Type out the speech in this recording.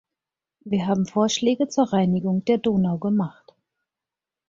Wir haben Vorschläge zur Reinigung der Donau gemacht.